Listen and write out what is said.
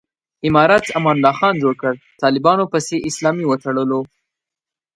امارت امان الله خان جوړ کړ، طالبانو پسې اسلامي وتړلو.